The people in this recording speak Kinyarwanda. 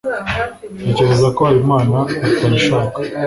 ntekereza ko habimana atabishaka